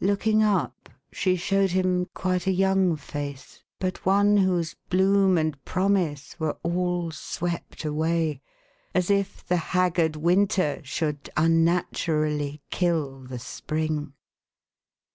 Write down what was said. Looking up, she showed him quite a young face, but one whose bloom and promise were all swept away, as if the haggard winter should un naturally kill the spring.